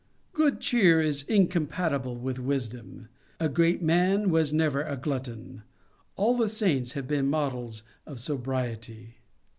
Good cheer is incompatible with wisdom. A great man was never a glutton; all the saints have been models of sobriety.